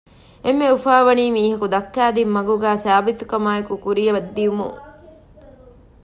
އެންމެ އުފާވަނީ މީހަކު ދައްކައިދިން މަގުގައި ސާބިތުކަމާއެކު ކުރިއަށް ދިއުމުން